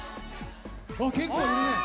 結構いるね。